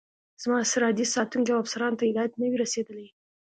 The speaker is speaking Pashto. زما سرحدي ساتونکو او افسرانو ته هدایت نه وي رسېدلی.